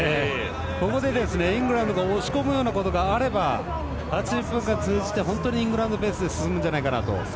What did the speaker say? ここでイングランドが押し込むようなことがあれば８０分間通じて本当にイングランドペースで進むんじゃないかなと。